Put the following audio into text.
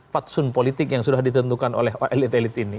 fatsun politik yang sudah ditentukan oleh elit elit ini